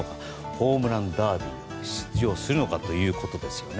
ホームランダービー出場するのかというところですね。